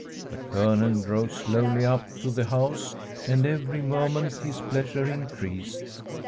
The Colonel drove slowly up to the house, and every moment his pleasure in creased.